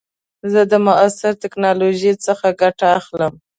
زه د معاصر ټکنالوژۍ څخه ګټه اخلم.